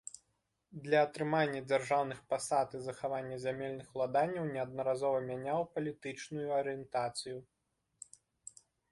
Для атрымання дзяржаўных пасад і захавання зямельных уладанняў неаднаразова мяняў палітычную арыентацыю.